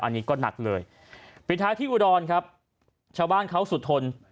อันนี้ก็หนักเลยปิดท้ายที่อุดรครับชาวบ้านเขาสุดทน